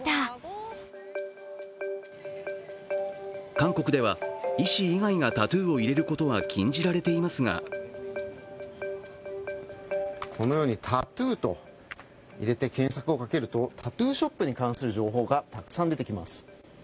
韓国では医師以外がタトゥーを入れることは禁じられていますがこのように「タトゥー」と入れて検索をかけるとタトゥーショップに関する情報がたくさん出てきます。